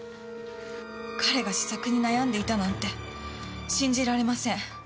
彼が詩作に悩んでいたなんて信じられません。